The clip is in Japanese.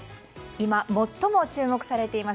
今、最も注目されています